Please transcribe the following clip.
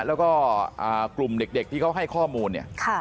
แล้วก็กลุ่มเด็กที่เขาให้ข้อมูลเนี่ย